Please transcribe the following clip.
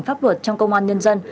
pháp luật trong công an nhân dân